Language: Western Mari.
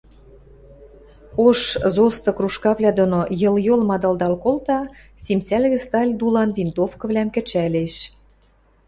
ош зосты кружкавлӓ доно йыл-йол мадылдал колта, симсӓлгӹ сталь дулан винтовкывлӓм кӹчӓлеш